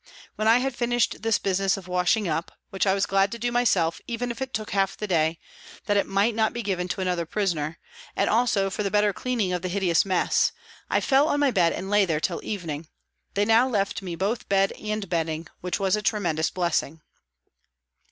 When I had finished this business of washing up which I T2 276 PRISONS AND PRISONERS was glad to do myself, even if it took half the day, that it might not be given to another prisoner, and also for the better cleaning of the hideous mess I fell on my bed and lay there till evening ; they now left me both bed and bedding, which was a tre mendous blessing.